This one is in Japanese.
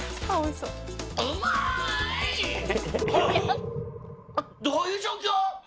ハッどういう状況！？